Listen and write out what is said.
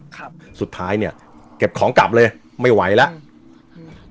ครับสุดท้ายเนี้ยเก็บของกลับเลยไม่ไหวแล้วอืม